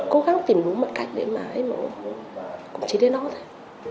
cố gắng tìm đúng một cách để mà cũng chỉ đến đó thôi